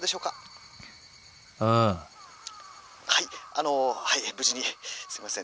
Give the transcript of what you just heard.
あのはい無事にすいません